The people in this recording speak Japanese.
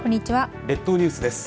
列島ニュースです。